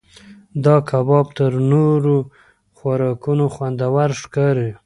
دا کباب تر نورو خوراکونو خوندور ښکاري.